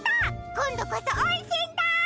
こんどこそおんせんだ！